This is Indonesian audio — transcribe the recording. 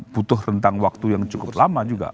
butuh rentang waktu yang cukup lama juga